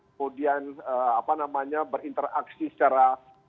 kemudian berinteraksi secara